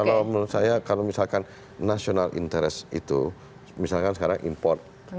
kalau menurut saya kalau misalkan national interest itu misalkan sekarang import